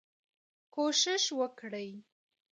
کوشش وکړئ